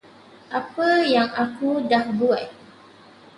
Apa yang aku dah buat.